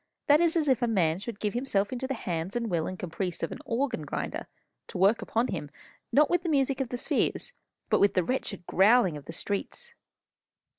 That is as if a man should give himself into the hands and will and caprice of an organ grinder, to work upon him, not with the music of the spheres, but with the wretched growling of the streets."